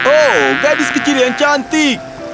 oh gadis kecil yang cantik